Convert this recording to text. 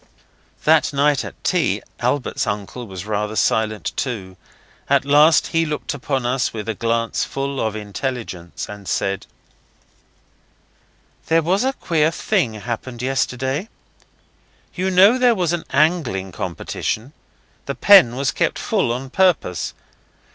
That night at tea Albert's uncle was rather silent too. At last he looked upon us with a glance full of intelligence, and said 'There was a queer thing happened yesterday. You know there was an angling competition. The pen was kept full on purpose.